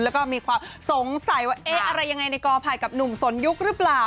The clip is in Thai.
แล้วก็มีความสงสัยว่าเอ๊ะอะไรยังไงในกอภัยกับหนุ่มสนยุคหรือเปล่า